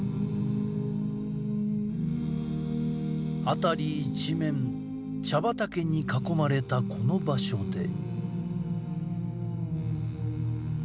辺り一面、茶畑に囲まれたこの場所で。